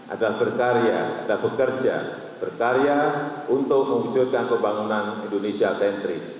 adalah berkarya dan bekerja berkarya untuk mewujudkan pembangunan indonesia sentris